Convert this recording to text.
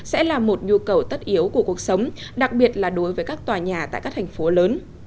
sẽ là một nhu cầu tất yếu của cuộc sống đặc biệt là đối với các tòa nhà tại các thành phố lớn